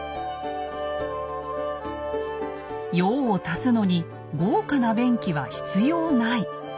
用を足すのに豪華な便器は必要ない。